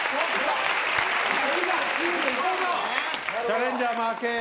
チャレンジャー負け。